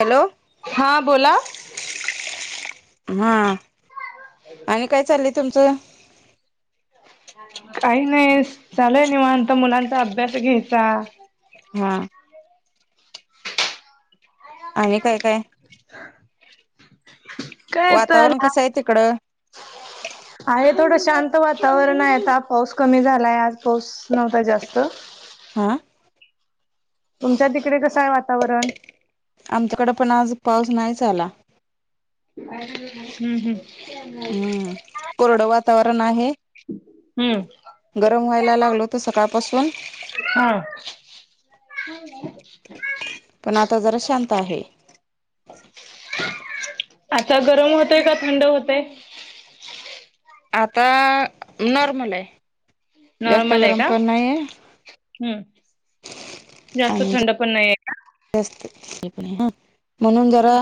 Hello! हा बोला. हा. आणि काय चाललय तुमचं? काही नाहीस चालय निवांत मुलांचा अभ्यास घ्यायचा. हा. आणि काय काय? काय वातावरण तला कसं आहे [inaudible] आहे थोडं शांत वातावरण आहे आता पाऊस कमी झालाय आज पाऊस नव्हता जास्त. हा. तुमच्या तिकडे कसं आहे वातावरण? आमच्याकडं पण आज पाऊस नाहीच आला. [inaudible] हम्म हम्म. हम्म, कोरडं वातावरण आहे. हम्म. गरम व्हायला लागल होत सकाळपासून. हा. पण आता जरा शांत आहे. आता गरम होतय का थंड होतय? आता नॉर्मल आहे. जास्त नॉर्मल आहे गरम का? पण नाही आहे हम्म. जास्त आणि थंड पण नाहीये. जास्त हे पण आहे ह म्हणून जरा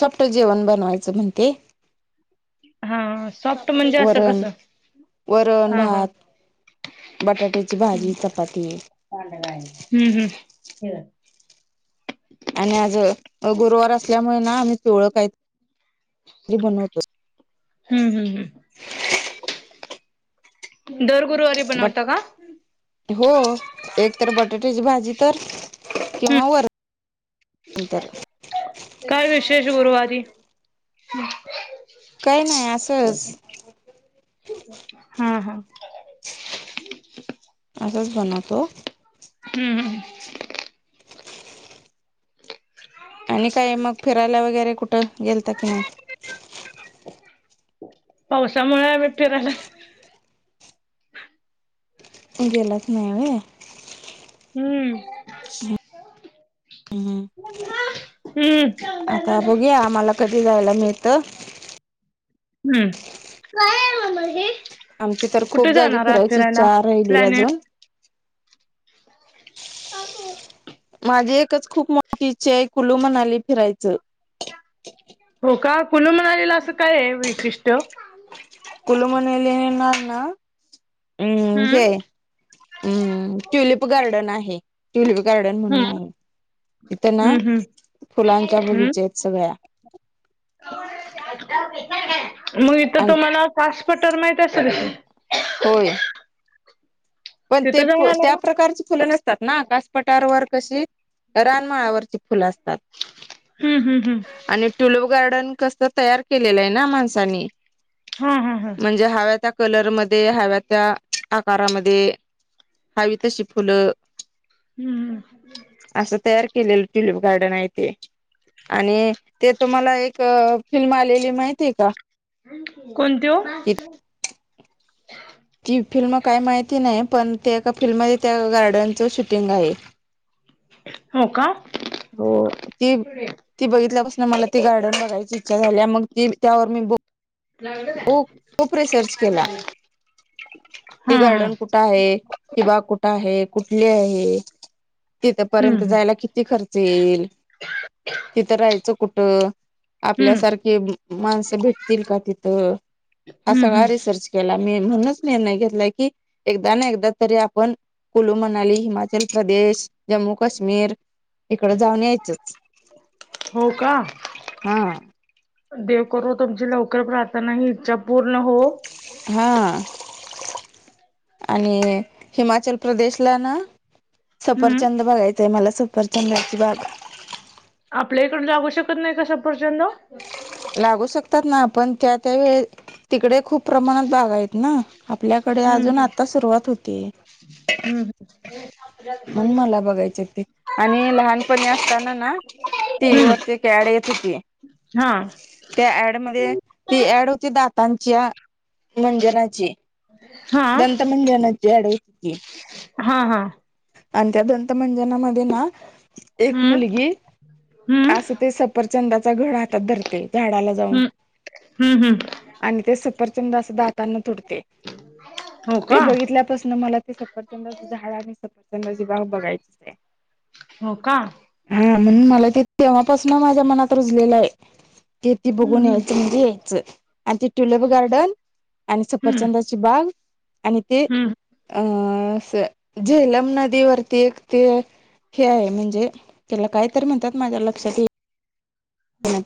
सॉफ्ट जेवण बनवायचं म्हणते. हा साॅफ् वरण, वरण हा हा भात, ‌बटाट्याची भाजी, चपाती. हम्म हम्म. आणि आज गुरुवार असल्यामुळे ना आम्ही पिवळं काहीतरी बनवतो. हम्म हम्म हम्म, ‌दर गुरुवारी बट, बनवता का? हो एक तर बटाट्याची भाजी तर हम्म किंवा वरण नंतर. काय विशेष गुरुवारी? [inaudible] काही नाही असंच हां हां. असच बनवतो? हम्म. [inaudible] आणि काय मग फिरायला वगैरे कुठं गेलता की नाही? [inaudible] पावसामुळे आम्ही फिरायला गेलासनाय व्हय? हम्म. हम्म हम्म. आता बघूया आम्हाला कधी जायला मिळतं. हम्म. काय आहे मम्मा हे. आमची तर खूप जागी फिरायची इच्छा राहिली प्लॅने अजून. [unintelligible] माझी एकच खूप मोठी इच्छा आहे. कुलू मनाली फिरायचं. हो का? कुलु मनालीला असं काय ए वैशिष्ट्य? कुलू मनालीला ना? अम् हम्म हे. अं. ट्युलिप गार्डन आहे. ट्युलिप गार्डन हम्म म्हणून आहे. तिथं ना हम्म हम्म फुलांचा हम्म बगीचा आहेत सगळा. मग इथ आणि तुम्हाला कास पठार माहित असेलच ना? होय. की पण ते, तिथं जाऊन आलाय त्या का प्रकारची फुलं नसतात ना? कास पठारवर कशी? रानमाळावरची फुलं असतात. हम्म हम्म हम्म आणि- ट्युलिप गार्डन कस तयार केलेलं आहे ना माणसानी? हां. हां. हां. म्हणजे हव्या त्या कलरमध्ये. हव्या त्या आकारामध्ये. हवी तशी फुलं. हम्म. हम. असं तयार केलेलं ट्युलिप गार्डन आहे ते. आणि- ते तुम्हाला एक फिल्म आलेली माहिती आहे का? कोणती ओ? ती फिल्म काय माहिती नाही. पण ते एका फिल्ममध्ये त्या गार्डनच शूटिंग आहे. हो का हो. ती- ती बघितल्यापासन मला ती गार्डन बघायची इच्छा झालीया. मग ती त्यावर मी- खूप. खूप रिसर्च केला. ती हा हा हम्म गार्डन कुठे आहे? ती बाग कुठ आहे? कुठली आहे? तिथपर्यंत हम्म जायला किती खर्च येईल? तिथं राहायचं कुठं? हम्म आपल्यासारखे माणसं भेटतील का तिथ? थ. हा हम्म हम्म सगळा रिसर्च- केला मी. म्हणूनच निर्णय घेतला की एकदा ना एकदा तरी आपण- कुल्लू मनाली, हिमाचल प्रदेश, जम्मू काश्मीर- इकड जाऊन यायचच. हो का हां. देव करो तुमची लवकर प्रार्थना आणि इच्छा पूर्ण होवो. हां. आणि हिमाचल प्रदेशला ना? हम्म सफरचंद बघायचय मला. सफरचंदाची बाग. आपल्या इकडले लागू शकत नाही का सफरचंद? लागू शकतात ना? पण त्या त्या वेळे- तिकडे खूप प्रमाणात बागा आहेत ना? आपल्याकडे अजून आत्ता सुरुवात होतीये. हम्. ह म्हणून मला बघायचेत ते. आणि लहानपणी असताना ना- टी व्ही वरती एक ऍड येत होती. हां. त्या ऍड मध्ये, ती ऍड होती दातांच्या- मंजनाची हा दंत मंजनाची याड होती. हा हा. आणि त्या दंत मंजनामध्ये ना एक हम्म मुलगी हम्म अस ते सफरचंदाचा घड हातात धरते झाडाला जाऊन. हम्म हम्म हम्म आणि ते सपरचंद असं दातांना तुटते हो ते का बघितल्यापासून मला ते सपरचंद झाड आणि सफरचंद बाग बघायचय. हो का? हा म्हण मला ते तेव्हापासून माझ्या मनात रुजलेलं हे. ते त हम्म बघून हम्म यायचं म्हणजे यायचं आणि ते ट्युलप गार्डन आणि हम्म सफरचंदा ची बाग आणि ते हम्म अ असं झेलम नदीवररती एक ते हे आहे म्हणजे त्याला काय तरी म्हणतात माझ्या लक्षात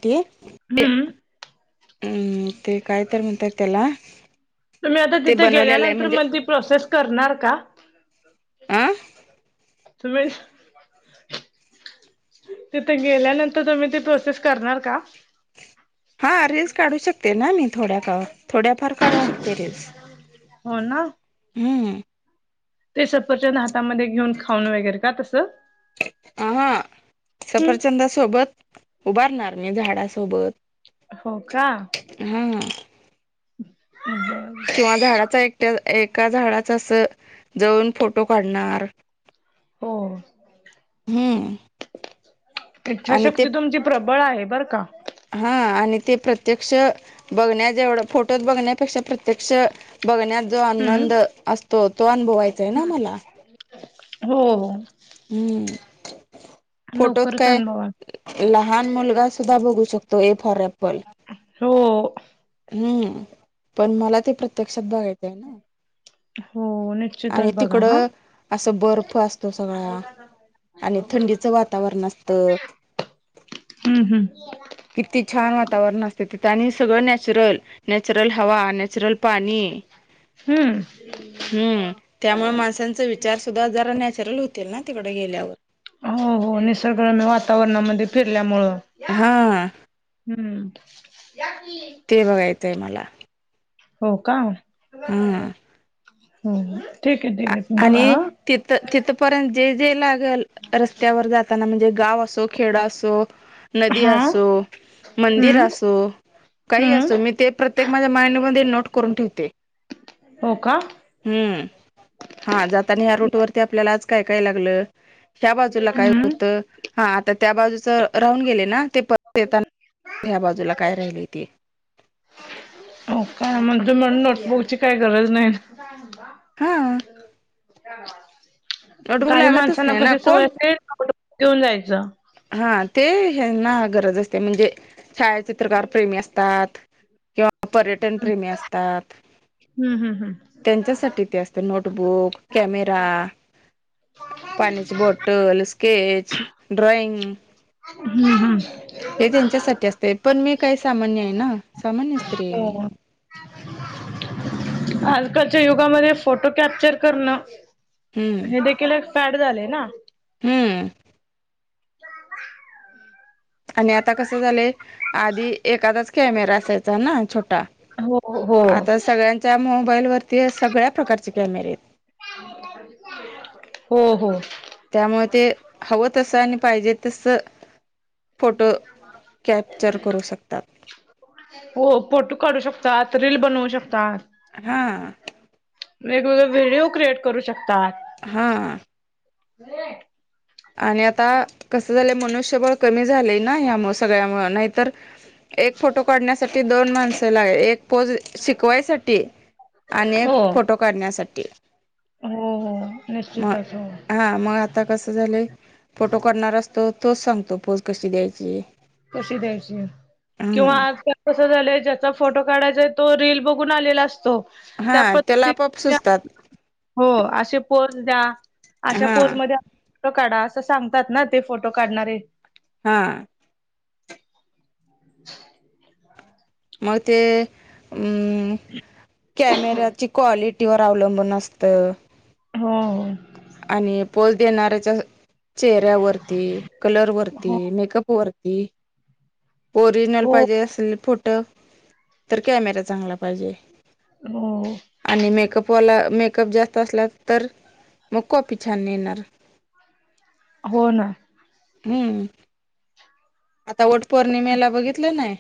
ये [inaudible] हम्म हम् ते कायतर म्हणतायत त्याला तुम्ही आता ते तिथे बनवलेलं आहे गेल्यानंतर म्हणजे मग ती प्रोसेस करणार का? अ तुम्ही तिथे गेल्यानंतर तुम्ही ते प्रोसेस करणार का? हा रीलल्स काढू शक ते ना मी थोड्या कावा थोड्याफार काढू हो शकते रिस हो ना हम्म. ते संपरचंद हातामध्ये घेऊन खाऊनं वगैरे का तसं? अ हा हम्म सफरचंदासोबत उभारणार मी झाडासोबत. हो का? हम्म. [inaudible] किंवा झाडाचा एकट्या एका झाडाचा अस जाऊन फोटो काढणार. [inaudible] हम्म. आणि ते इच्छाशक्ती तुमची प्रबळ आहे बरं का. हा आणि ते प्रत्यक्ष बघण्या जवढ फोटो बघण्यापेक्षा प्रत्यक्ष बघण्यात जो हम्म. आनंद असतो तो अनुभवायचा आहे ना मला. हो. हम्म फोटोच लवकरच काय अनुभवा लहान मुलगा सुद्धा बघू शकतो ए फॉर ए बर हो हे हम्म पण मला ते प्रत्यक्षात बघायचं आहे ना. हो आणि निश्चितच बघा तिकड हा असं बर्फ असतो स गळा आणि थंडीचं वातावरण असत. हम्म हम्म. किती छान वातावरण असते ते आणि सगळं नॅचरल नॅचरल हवा नॅचरल पाणी. हम्म. हम्म त्यामुळे माणसांचा विचार सुद्धा जरा नॅचरल होतील ना तिकडे गेल्यावर. हो हो निसर्गरम्य वातावरणामध्ये फिरल्यामुळं. हा हा. हम्म. या की तेव्हा येते मला. हो का हो ठीक हा आहे, ठीक आहे, बघा हा. तिथ, तिथ पर्यंत जे, जे लागेल रस्त्यावर जाताना म्हणजे गाव असो, खेड असो नदी हा असो, मंदिर हम्म असो काही हम्म असो मी ते प्रत्य ते माझ्या माइंडमध्ये नोट करून ठेवते. हो का. हम्म. हा जातानी या रूट वरती आपल्याला आज काय, काय लागलं ह्या बाजूला काय हम्म होत. हा आता त्या बाजूच राहून गेले ना ते परत येताना ह्या बाजूला काय राहिले ते. हो का मग तुम्हाला नोटबुकची काही गरज नाही. य ह [inaudible] हा. नोटबुक काही लागतच माणसांना नाही ना कशी सवय कोण असते नोटबुक घेऊन जायचं. हा ते ह्याना गरज असते म्हणजे छायाचित्रकार प्रेमी असतात किंवा पर्यटन प्रेमी असतात. हम्म हम्म त्यांच्यासाठी ते असते नोटबुक, कॅमेरा पाण्याची बॉटल, स्केच, ड्रॉइंग हम्म, हम्म. हे त्यांच्यासाठी असते पण मी काही सामान्य आहे ना सामान्य स्त्री आहे मी. हो आज कालच्या युगामध्ये फोटो कॅप्चर करणं हम्म हे देखील पॅड झालय ना. हम्म आणि आता कसं झालंय आधी एखादाच कॅमेरा असायचा ना छोटा हो हो आता सगळ्यांच्या मोबाईल वरती सगळ्या प्रकारचे कॅमेरे आहेत. हो हो. त्यामुळे ते हवं तसं आणि पाहिजे तसं फोटो कॅप्चर करू शकतात. हो फोटो काढू शकतात रील बनवू शकतात. हा. वेगवेगळे व्हिडिओ क्रिएट करू शकतात. हा. हो [inaudible] आणि आता कस झालय मनुष्यबळ कमी झाले ना यामु सगळ्यामुंळे नाहीतर एक फोटो काढण्यासाठी दोन माणसाला एक पोज शिकवायसाठी आणि एक हो. फोटो काढण्यासाठी हो हो म निश्चितच हो हा मग आता कसं झालंय फोटो करणार असतो तोच सांगतो पोज कशी द्यायची. कशी द्यायची किंवा हं आज कसं झालंय ज्याचा फोटो काढायचाय तो रील बघून आलेला असतो. त्या हां त्याला पद्धती आपोआप [inaudible] सुचतात हो असे पोज द्या अशा हां पोजमध्ये फोटो काढा असं सांगतात ना ते फोटो काढणारे. हा. [unintelligible] म ते कॅमेराची क्वालिटी तीवर अवलंबून असतं. होय. आणि पोज देणाऱ्याच्या चेहऱ्यावरती, कलर वरती, हो मेकअप वरती- ती. ओरिजनल हो पाहिजे असल फोटो तर कॅमेरा चांगला पाहिजे. हं. आणि मेकअपवाला, मेकअप जास्त असला तर? मग कॉपी छान नाही येणार. हो ना. हम्म. आता वट पौर्णिमेला बघितलं नाही?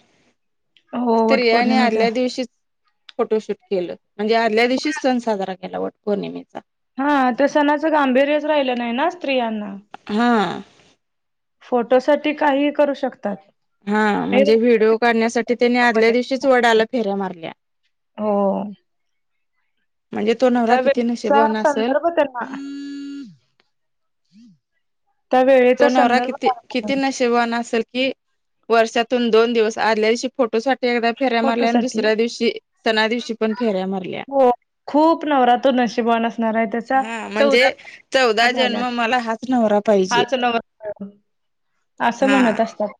हो वट स्त्रियांनी पौर्णिमेच्या आदल्या दिवशीच - फोटोशूट केलं. म्हणजे आदल्या दिवशीच सण साजरा केला वट पौर्णिमेचा. हां. ते सणाचं गांभीर्यच राहिलं नाही ना स्त्रियांना. हां. फोटो साठी काहीही करू शकतात. हां. हे म्हणजे व्हिडिओ काढण्यासाठी त्यांनी आदल्या दिवशीच वडाला फेऱ्या मारल्या. हो. म्हणजे तो- नवरा त्या किती वेळीचा नशेबान असेल संदर्भ त्यांना- त्या तो वेळेचा नवरा संदर्भ किती- किती सांगतात नशिबवान असेल? कि वर्षातून दोन दिवस, आदल्या दिवशी फोटोसाठी एकदा- फेऱ्या मारल्या. आणि फोटोसाठी दुसऱ्या दिवशी सणा दिवशी पण फेऱ्या मारल्या. हां. तो नवरा तर नशिबवान असणार आहे. त्या- हां. म्हणजे चौदा जन्म मला हाच नवरा पाहिजे. हाच नवरात्र असं हा म्हणत असतात.